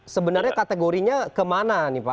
sebenarnya kategorinya kemana pak